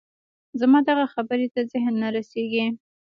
زما دغه خبرې ته ذهن نه رسېږي